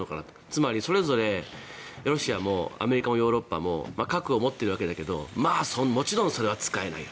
つまり、それぞれロシアもアメリカもヨーロッパも核を持っているわけだけどもちろんそれは使えない。